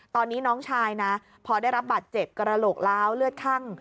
ตอนนี้น้องชายนะพอได้รับบาดเจ็บกระโหลกล้าวเลือดคั่ง